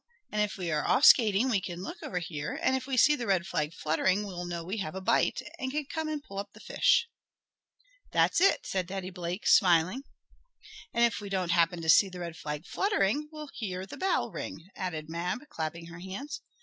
"And if we are off skating we can look over here, and if we see the red rag fluttering we'll know we have a bite, and can come and pull up the fish." "That's it," said Daddy Blake, smiling. "And if we don't happen to see the red rag fluttering, we will hear the bell ring," added Mab, clapping her hands.